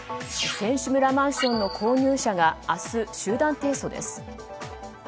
選手村マンションの購入者が明日、集団提訴です。